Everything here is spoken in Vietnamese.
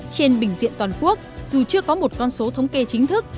trên bình diện toàn quốc dù chưa có một con số thống kê chính thức